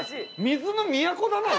水の都だな